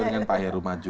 dengan pak heru maju